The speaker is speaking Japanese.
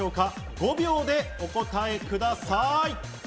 ５秒でお答えください。